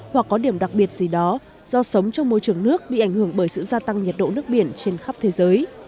hoặc có điểm đặc biệt gì đó do sống trong môi trường nước bị ảnh hưởng bởi sự gia tăng nhiệt độ nước biển trên khắp thế giới